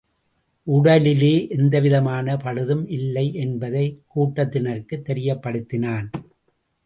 உடலிலே எந்தவிதமான பழுதும் இல்லை என்பதைக் கூட்டத்தினருக்குத் தெரியப்படுத்தினான்.